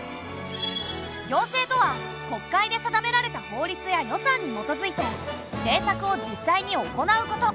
行政とは国会で定められた法律や予算に基づいて政策を実際に行うこと。